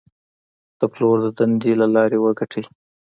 د پلور د دندې له لارې وګټئ.